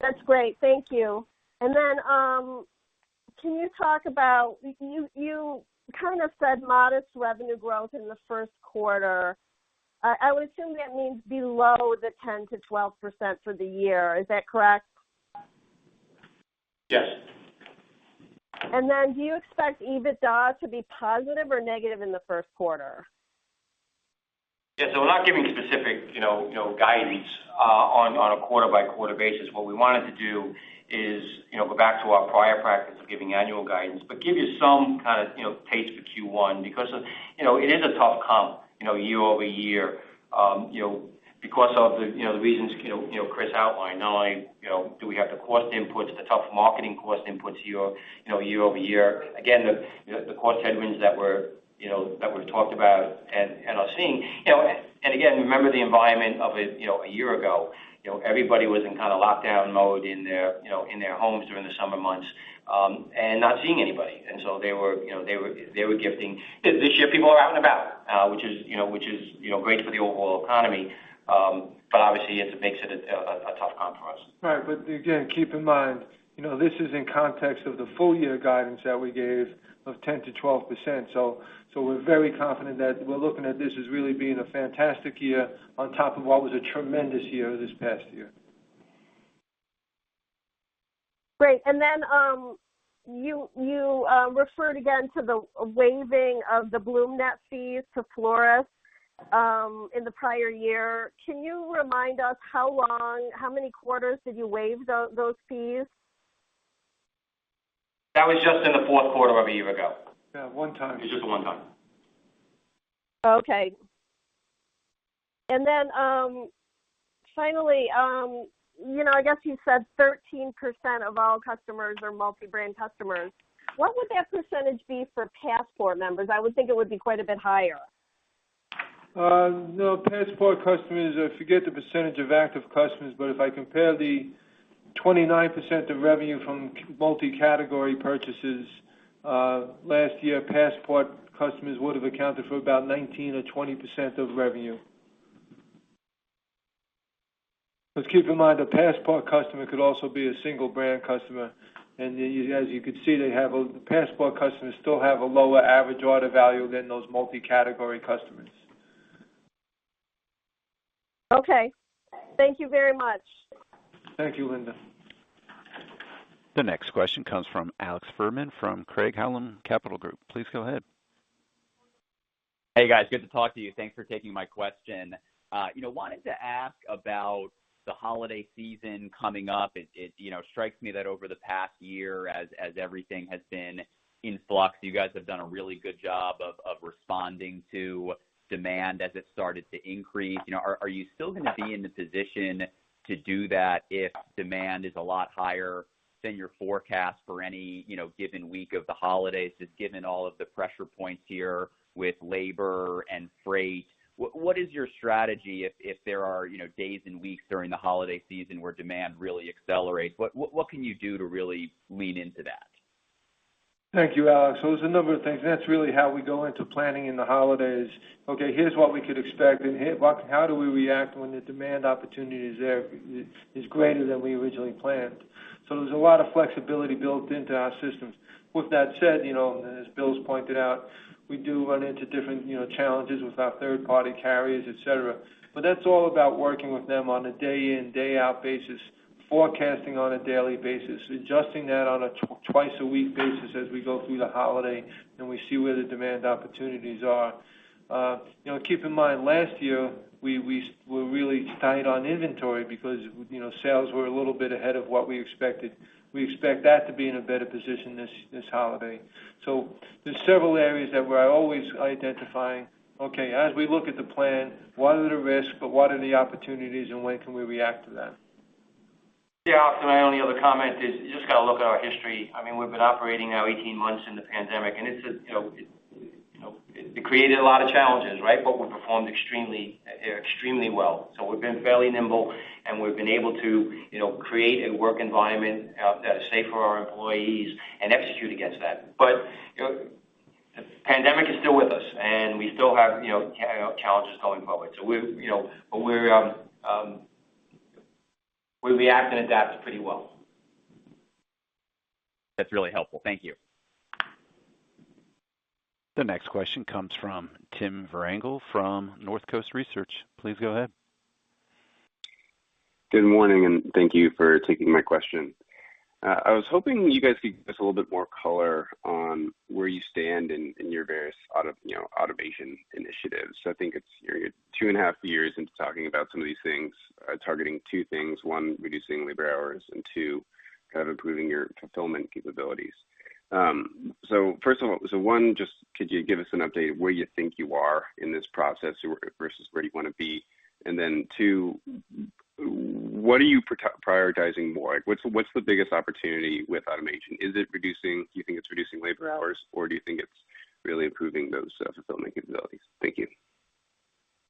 That's great. Thank you. Can you talk about, you kind of said modest revenue growth in the first quarter. I would assume that means below the 10%-12% for the year. Is that correct? Yes. Do you expect EBITDA to be positive or negative in the first quarter? Yeah. We're not giving specific guidance on a quarter-by-quarter basis. What we wanted to do is go back to our prior practice of giving annual guidance, but give you some kind of taste for Q1 because it is a tough comp year-over-year, because of the reasons Chris outlined. Not only do we have the cost inputs, the tough marketing cost inputs year-over-year. Again, the cost headwinds that we've talked about and are seeing. Again, remember the environment of it a year ago. Everybody was in kind of lockdown mode in their homes during the summer months, and not seeing anybody. They were gifting. This year, people are out and about, which is great for the overall economy. Obviously, it makes it a tough comp for us. Right. Again, keep in mind, this is in context of the full-year guidance that we gave of 10%-12%. We're very confident that we're looking at this as really being a fantastic year on top of what was a tremendous year this past year. Great. You referred again to the waiving of the BloomNet fees to florists in the prior year. Can you remind us how long, how many quarters did you waive those fees? That was just in the fourth quarter of a year ago. Yeah, one time. It was just one time. Okay. Finally, I guess you said 13% of all customers are multi-brand customers. What would that percentage be for Passport members? I would think it would be quite a bit higher. No. Passport customers, I forget the percentage of active customers, but if I compare the 29% of revenue from multi-category purchases, last year, Passport customers would have accounted for about 19% or 20% of revenue. Keep in mind, a Passport customer could also be a single-brand customer. As you could see, Passport customers still have a lower average order value than those multi-category customers. Okay. Thank you very much. Thank you, Linda. The next question comes from Alex Fuhrman from Craig-Hallum Capital Group. Please go ahead. Hey, guys. Good to talk to you. Thanks for taking my question. I wanted to ask about the holiday season coming up. It strikes me that over the past year, as everything has been in flux, you guys have done a really good job of responding to demand as it started to increase. Are you still going to be in the position to do that if demand is a lot higher than your forecast for any given week of the holidays? Just given all of the pressure points here with labor and freight, what is your strategy if there are days and weeks during the holiday season where demand really accelerates? What can you do to really lean into that? Thank you, Alex. There's a number of things, and that's really how we go into planning in the holidays. Okay, here's what we could expect. How do we react when the demand opportunity is there, is greater than we originally planned? There's a lot of flexibility built into our systems. With that said, as Bill's pointed out, we do run into different challenges with our third-party carriers, et cetera. That's all about working with them on a day in, day out basis, forecasting on a daily basis, adjusting that on a twice a week basis as we go through the holiday and we see where the demand opportunities are. Keep in mind, last year, we were really tight on inventory because sales were a little bit ahead of what we expected. We expect that to be in a better position this holiday. There's several areas that we're always identifying, okay, as we look at the plan, what are the risks, but what are the opportunities, and when can we react to them? Yeah, Alex, my only other comment is, you just got to look at our history. We've been operating now 18 months in the pandemic, it created a lot of challenges, right? We performed extremely well. We've been fairly nimble, and we've been able to create a work environment that is safe for our employees and execute against that. The pandemic is still with us, and we still have challenges going forward. We react and adapt pretty well. That's really helpful. Thank you. The next question comes from Tim Vierengel from Northcoast Research. Please go ahead. Good morning. Thank you for taking my question. I was hoping you guys could give us a little bit more color on where you stand in your various automation initiatives. I think it's 2.5 years into talking about some of these things, targeting two things: One reducing labor hours, and two, kind of improving your fulfillment capabilities. First of all, one, just could you give us an update of where you think you are in this process versus where you want to be? Two, what are you prioritizing more? What's the biggest opportunity with automation? Do you think it's reducing labor hours, or do you think it's really improving those fulfillment capabilities? Thank you.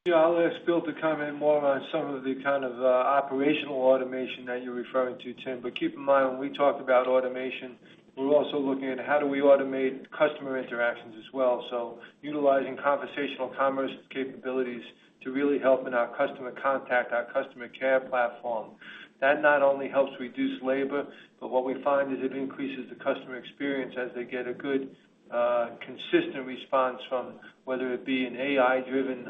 Yeah, I'll ask Bill to comment more on some of the kind of operational automation that you're referring to, Tim. Keep in mind, when we talk about automation, we're also looking at how do we automate customer interactions as well. Utilizing conversational commerce capabilities to really help in our customer contact, our customer care platform. That not only helps reduce labor, but what we find is it increases the customer experience as they get a good, consistent response from, whether it be an AI-driven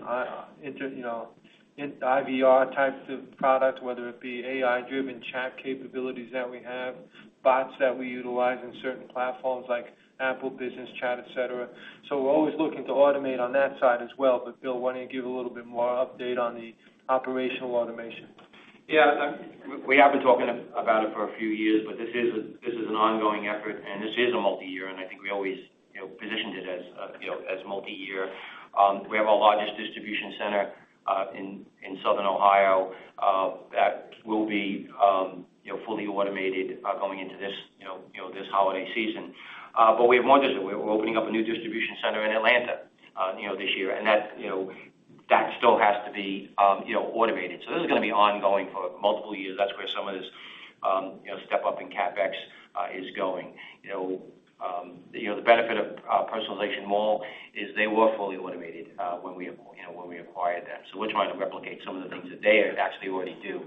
IVR types of product, whether it be AI-driven chat capabilities that we have, bots that we utilize in certain platforms like Apple Business Chat, et cetera. We're always looking to automate on that side as well. Bill, why don't you give a little bit more update on the operational automation? Yeah. We have been talking about it for a few years, but this is an ongoing effort, and this is a multi-year, and I think we always positioned it as multi-year. We have our largest distribution center in Southern Ohio that will be fully automated going into this holiday season. We have more to do. We're opening up a new distribution center in Atlanta this year, and that still has to be automated. This is going to be ongoing for multiple years. That's where some of this step up in CapEx is going. The benefit of Personalization Mall is they were fully automated when we acquired them. We're trying to replicate some of the things that they actually already do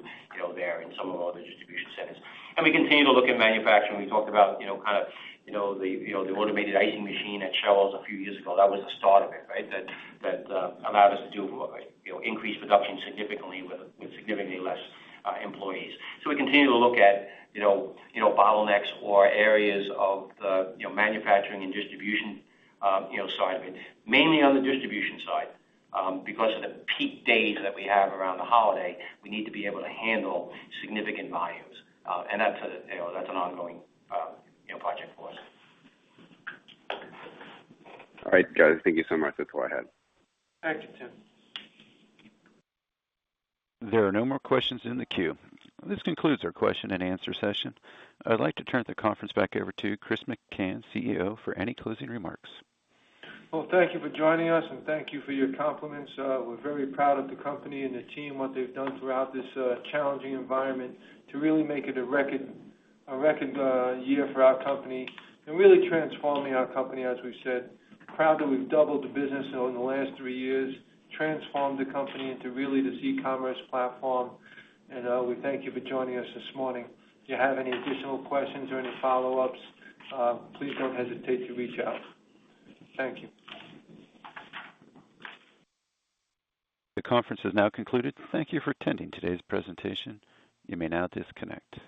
there in some of our other distribution centers. We continue to look at manufacturing. We talked about the automated icing machine at Cheryl's a few years ago. That was the start of it, right? That allowed us to increase production significantly with significantly less employees. We continue to look at bottlenecks or areas of the manufacturing and distribution side of it, mainly on the distribution side. Because of the peak days that we have around the holiday, we need to be able to handle significant volumes, and that's an ongoing project for us. All right, guys. Thank you so much. That's all I had. Thank you, Tim. There are no more questions in the queue. This concludes our question and answer session. I'd like to turn the conference back over to Chris McCann, CEO, for any closing remarks. Well, thank you for joining us, and thank you for your compliments. We're very proud of the company and the team, what they've done throughout this challenging environment to really make it a record year for our company and really transforming our company, as we've said. Proud that we've doubled the business over the last three years, transformed the company into really this e-commerce platform, and we thank you for joining us this morning. If you have any additional questions or any follow-ups, please don't hesitate to reach out. Thank you. The conference is now concluded. Thank you for attending today's presentation. You may now disconnect.